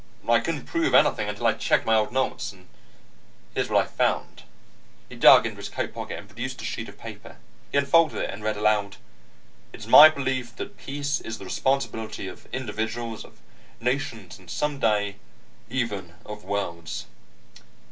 I couldn't prove anything until I checked my old notes, and here's what I found." He dug into his coat pocket and produced a sheet of paper. He unfolded it and read aloud. "'It's my belief that peace is the responsibility of individuals, of nations, and someday, even of worlds